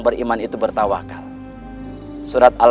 beriman itu bertawakal